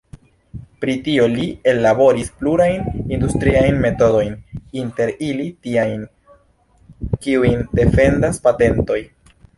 Pri tio li ellaboris plurajn industriajn metodojn, inter ili tiajn, kiujn defendas patentoj.